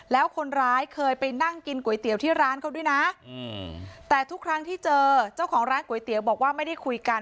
แล้วคนร้ายเคยไปนั่งกินก๋วยเตี๋ยวที่ร้านเขาด้วยนะแต่ทุกครั้งที่เจอเจ้าของร้านก๋วยเตี๋ยวบอกว่าไม่ได้คุยกัน